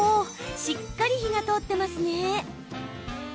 しっかり火が通ってますね。